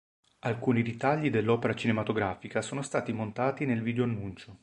Alcuni ritagli dell'opera cinematografica sono stati montati nel video-annuncio.